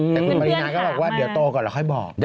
แต่คุณปรินาก็บอกว่าเดี๋ยวโตก่อนแล้วค่อยบอก